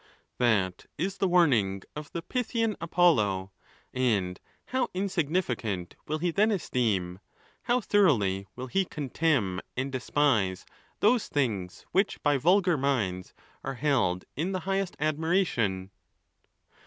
That is the warning of the Pythian Apollo, And how insignificant will he then esteem, how thoroughly will he contemn and despise, those things which by vulgar minds are held in the highest admiration